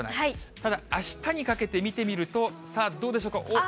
ただ、あしたにかけて見てみると、さあ、どうでしょうか。